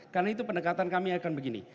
karena itu pendekatan kami akan begini